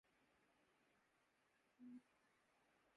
جڑی بوٹیوں سےمختلف بیماریوں کا علاج